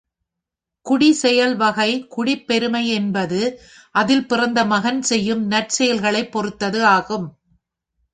குடிசெயல் வகை குடிப்பெருமை என்பது அதில் பிறந்த மகன் செய்யும் நற்செயல்களைப் பொறுத்தது ஆகும்.